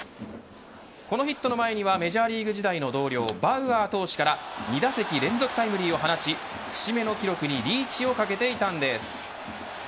このヒットの前にはメジャーリーグ時代の同僚バウアー投手から２打席連続タイムリーを放ち節目の記録にリーチをかけていたんです。